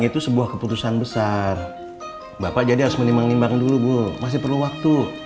itu sebuah keputusan besar bapak jadi harus menimbang nimbang dulu bu masih perlu waktu